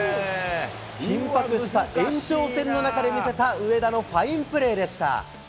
緊迫した延長戦の中で見せた、植田のファインプレーでした。